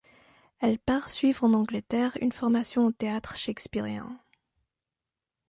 Elle part suivre en Angleterre une formation au théâtre shakespearien.